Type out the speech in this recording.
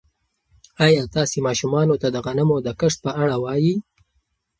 ایا تاسي ماشومانو ته د غنمو د کښت په اړه وایئ؟